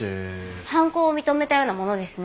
犯行を認めたようなものですね。